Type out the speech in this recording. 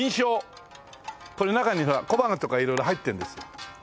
これ中にさ小判とか色々入ってるんですよ。